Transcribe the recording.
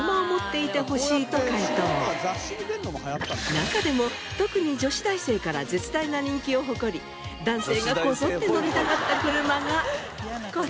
中でも特に女子大生から絶大な人気を誇り男性がこぞって乗りたがった車がこちら。